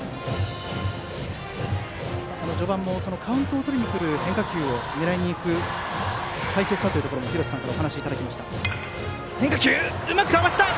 序盤もカウントをとりにくる変化球を狙いにいく大切さも廣瀬さんからお話がありました。